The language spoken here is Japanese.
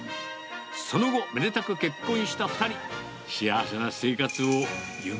その後、めでたく結婚した２人。